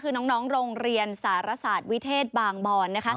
น้องศาลศาสตร์วิเทศบางบอร์ด